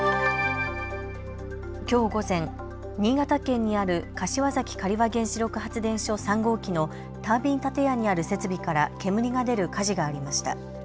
きょう午前、新潟県にある柏崎刈羽原子力発電所３号機のタービン建屋にある設備から煙が出る火事がありました。